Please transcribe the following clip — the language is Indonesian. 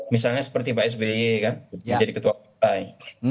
misalnya seperti pak sby kan yang jadi ketua partai